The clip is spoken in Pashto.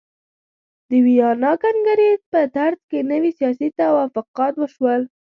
د ویانا کنګرې په ترڅ کې نوي سیاسي توافقات وشول.